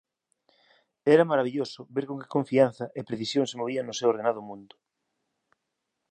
Era marabilloso ver con que confianza e precisión se movían no seu ordenado mundo.